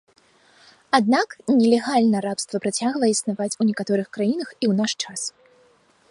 Аднак, нелегальна рабства працягвае існаваць ў некаторых краінах і ў наш час.